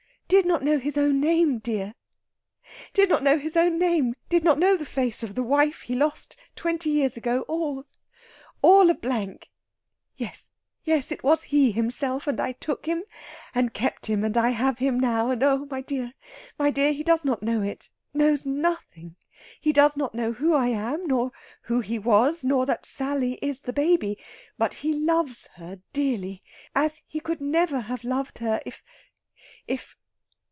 "Did not know his own name, dear did not know his own name did not know the face of the wife he lost twenty years ago all, all a blank!... Yes, yes; it was he himself, and I took him and kept him, and I have him now ... and oh, my dear, my dear, he does not know it knows nothing! He does not know who I am, nor who he was, nor that Sally is the baby; but he loves her dearly, as he never could have loved her if ... if...."